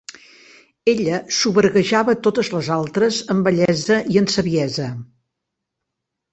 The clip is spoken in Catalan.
Ella soberguejava totes les altres en bellesa i en saviesa.